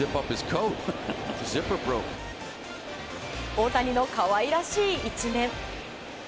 大谷の可愛らしい一面。